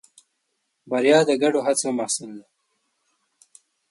بریا د ګډو هڅو محصول ده.